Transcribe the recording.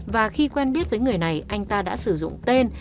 và khi quen biết với người này anh ta đã sử dụng tên